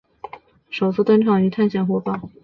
首次登场于探险活宝。